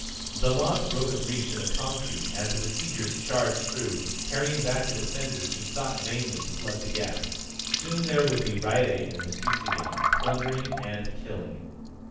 The log broke a breach in the concrete and the besiegers charged through, carrying back the defenders who sought vainly to plug the gap. Soon there would be rioting in the streets again, plundering and killing.